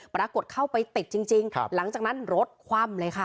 ปรากฏเข้าไปติดจริงหลังจากนั้นรถคว่ำเลยค่ะ